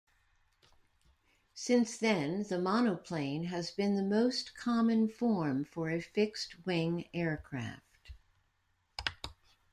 Since then, the monoplane has been the most common form for a fixed-wing aircraft.